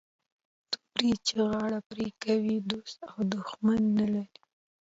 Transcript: توري چي غاړي پرې کوي دوست او دښمن نه لري